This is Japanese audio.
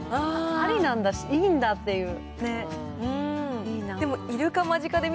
ありなんだ、いいんだっていう。